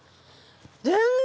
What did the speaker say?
全然！